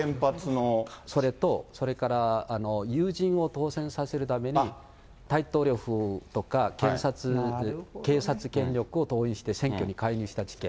それと、それから友人を当選させるために、大統領府とか警察権力を動員して選挙に介入した事件。